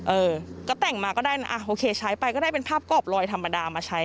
เออก็แต่งมาก็ได้นะโอเคใช้ไปก็ได้เป็นภาพกรอบลอยธรรมดามาใช้